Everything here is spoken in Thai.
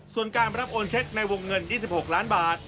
ส่วนการรับโอนเช็คในวงเงิน๒๖ล้านบาท